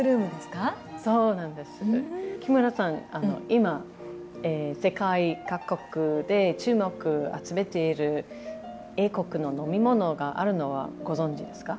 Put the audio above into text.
今世界各国で注目集めている英国の飲み物があるのはご存じですか？